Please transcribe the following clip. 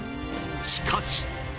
しかし。